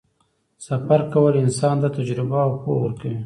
سفر کول انسان ته تجربه او پوهه ورکوي.